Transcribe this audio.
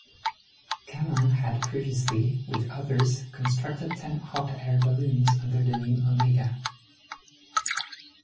Cameron had previously, with others, constructed ten hot air balloons under the name Omega.